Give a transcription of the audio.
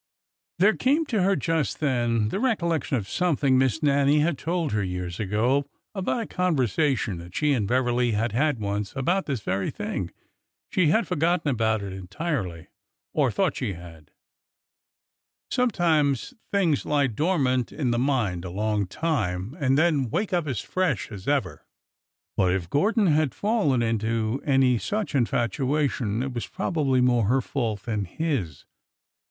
There came to her just then the recollection of something Miss Nannie had told her years FIGHTING WITHOUT 253 ago about a conversation that she and Beverly had had once about this very thing. She had forgotten about it entirely— or thought she had. Sometimes things lie dor mant in the mind a long time and then wake up as fresh as ever. But if Gordon had fallen into any such infatuation, it was probably more her fault than his.